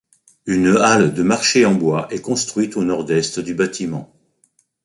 Une halle de marché en bois est construite au nord-est du bâtiment.